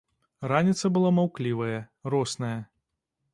Раніца была маўклівая, росная.